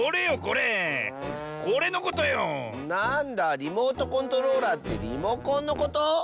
リモートコントローラーってリモコンのこと？